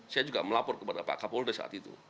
saya juga melapor kepada pak kapolda saat itu